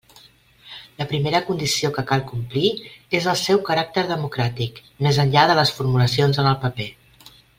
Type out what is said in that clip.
La primera condició que cal complir és el seu caràcter democràtic, més enllà de les formulacions en el paper.